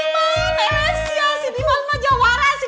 kalau kita maen tegak apaan